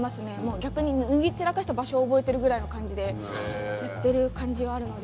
逆に脱ぎ散らかした場所を覚えてるぐらいの感じでやってる感じはあるので。